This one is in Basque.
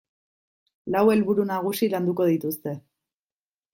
Lau helburu nagusi landuko dituzte.